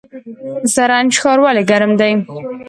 زرنج ښار ولې ګرم دی؟